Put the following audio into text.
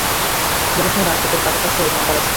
মনে হয় না গ্রুপের কারও কাছে ওর নম্বর আছে।